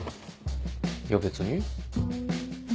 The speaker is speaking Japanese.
いや別に。